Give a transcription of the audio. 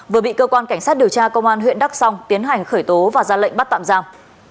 vừa bị cơ quan cảnh sát điều tra công an huyện đắk song tiến hành khởi tố và ra lệnh bắt tạm giam